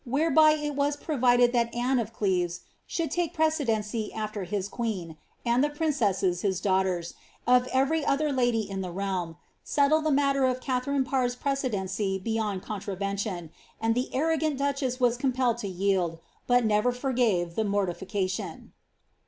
whereby it was provided that Aofie of Cleves should take precedency afler his queen, and the princesses, his daughters, of every oilier lady in the realm, settled the matter of Katharine Parr's precedency beyond contravention ; and the arrogint duchess was compelled to yield, but never forgave the mortilication.